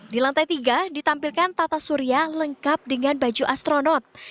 di lantai tiga ditampilkan tata surya lengkap dengan baju astronot